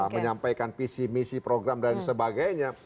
menyampaikan visi misi program dan sebagainya